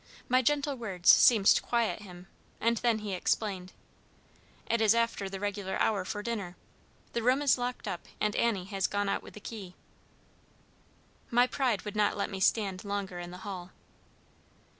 My gentle words seemed to quiet him, and then he explained: "It is after the regular hour for dinner. The room is locked up, and Annie has gone out with the key." My pride would not let me stand longer in the hall.